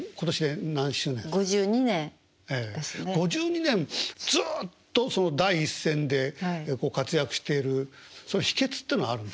５２年ずっと第一線でご活躍しているそういう秘けつっていうのあるんですか？